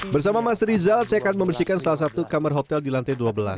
bersama mas rizal saya akan membersihkan salah satu kamar hotel di lantai dua belas